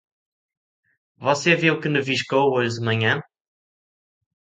Você viu que neviscou hoje de manhã?